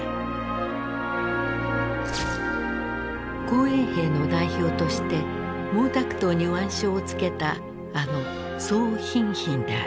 紅衛兵の代表として毛沢東に腕章をつけたあの宋彬彬である。